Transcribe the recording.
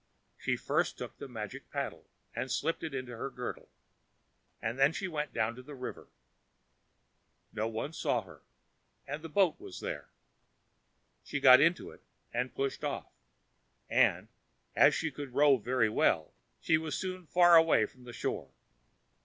She first took the magic paddle and slipped it under her girdle, and then she went down to the river. No one saw her, and the boat was there. She got into it and pushed off, and, as she could row very well, she was soon far away from the shore.